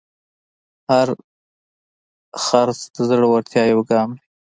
هر خرڅ د زړورتیا یو ګام دی.